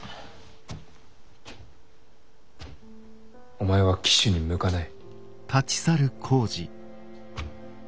お前は騎手に向かない。